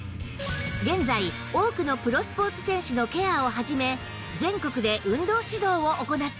現在多くのプロスポーツ選手のケアを始め全国で運動指導を行っています